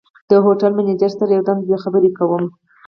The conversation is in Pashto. د هوټل منیجر سره یو دوه خبرې کوم.